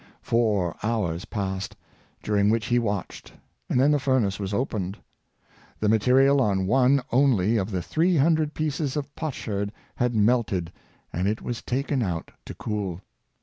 Four hours passed, during which he watched, and then the furnace was opened. The material on one only of the three hundred pieces of potsherd had melted, and it was taken out to cool.